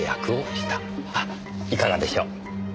いかがでしょう？